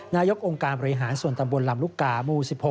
นายกองค์การบริหารส่วนตำบลลำลูกกาหมู่๑๖